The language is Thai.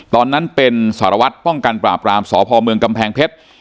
ตอนนั้นเป็นสารวัตรป้องกันปราบรามสพเมืองกำแพงเพชร